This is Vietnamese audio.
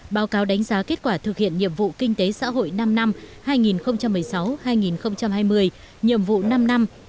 hai nghìn ba mươi báo cáo đánh giá kết quả thực hiện nhiệm vụ kinh tế xã hội năm năm hai nghìn một mươi sáu hai nghìn hai mươi nhiệm vụ năm năm hai nghìn hai mươi một hai nghìn hai mươi năm